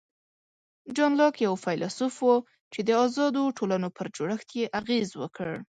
جان لاک یو فیلسوف و چې د آزادو ټولنو پر جوړښت یې اغېز وکړ.